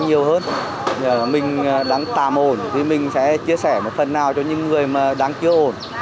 nếu mình đang tàm ổn thì mình sẽ chia sẻ một phần nào cho những người mà đang chưa ổn